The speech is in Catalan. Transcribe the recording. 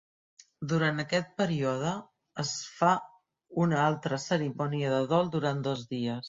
Durant aquest període es fa una altra cerimònia de dol durant dos dies.